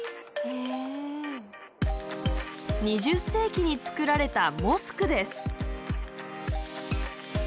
２０世紀に造られたモスクです。